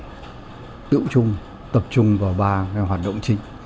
các dự báo các thiên tai tự trung tập trung vào ba hoạt động chính